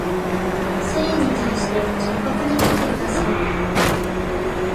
繊維に対して直角に切ってください